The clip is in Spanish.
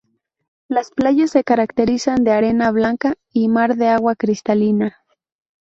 Las playas se caracterizan de arena blanca y mar de agua cristalina.